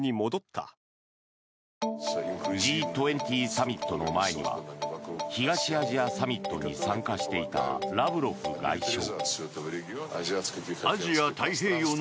Ｇ２０サミットの前には東アジアサミットに参加していたラブロフ外相。